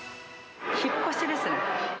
引っ越しですね。